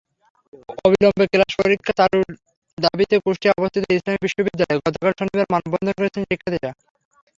অবিলম্বে ক্লাস-পরীক্ষা চালুর দাবিতে কুষ্টিয়ায় অবস্থিত ইসলামী বিশ্ববিদ্যালয়ে গতকাল শনিবার মানববন্ধন করেছেন শিক্ষার্থীরা।